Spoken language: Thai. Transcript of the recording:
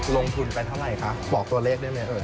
ลงทุนไปเท่าไหร่คะบอกตัวเลขได้ไหม